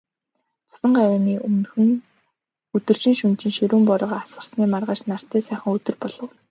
Цусан гавьяаны өмнөхөн, өдөржин, шөнөжин ширүүн бороо асгарсны маргааш нартай сайхан өдөр болов.